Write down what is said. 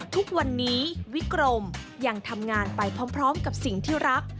ทุกวันนี้วิกรมยังทำงานไปพร้อมกับสิ่งที่รัก